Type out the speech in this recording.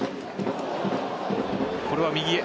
これは右へ。